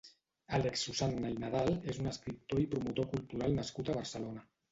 Àlex Susanna i Nadal és un escriptor i promotor cultural nascut a Barcelona.